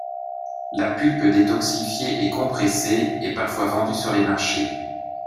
La pulpe détoxifiée et compressée est parfois vendue sur les marchés.